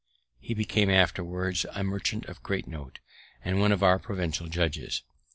He became afterwards a merchant of great note, and one of our provincial judges.